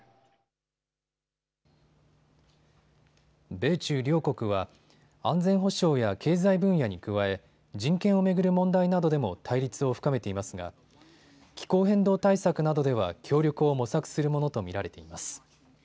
米中両国は安全保障や経済分野に加え人権を巡る問題などでも対立を深めていますが気候変動対策などでは協力を模索するものと見られています。